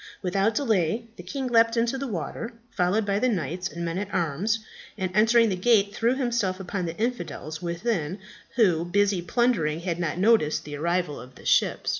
Without delay the king leaped into the water, followed by the knights and men at arms, and entering the gate, threw himself upon the infidels within, who, busy plundering, had not noticed the arrival of the ship.